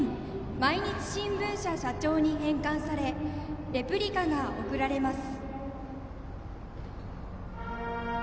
毎日新聞社社長に返還されレプリカが贈られます。